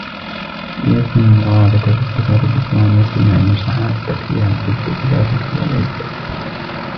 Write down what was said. لِيَكُنْ غَرَضُك فِي اتِّخَاذِ الْإِخْوَانِ وَاصْطِنَاعِ النُّصَحَاءِ تَكْثِيرَ الْعُدَّةِ لَا تَكْثِيرَ الْعِدَّةِ